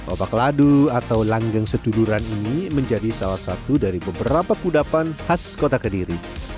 obak ladu atau langgeng secuduran ini menjadi salah satu dari beberapa kudapan khas kota kediri